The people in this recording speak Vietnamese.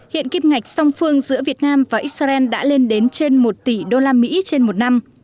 hiện kim ngạch song phương giữa việt nam và israel đã lên đến trên một tỷ usd trên một năm